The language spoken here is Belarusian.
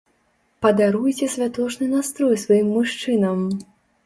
Падаруйце святочны настрой сваім мужчынам!